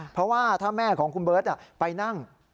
เพราะว่าถ้าแม่ของคุณเบิร์ตไปนั่ง